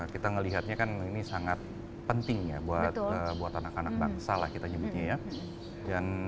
kita melihatnya ini sangat penting buat anak anak bangsa